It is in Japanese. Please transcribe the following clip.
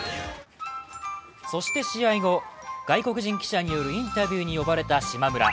そして試合後、外国人記者によるインタビューに呼ばれた島村。